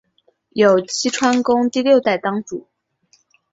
有栖川宫第六代当主。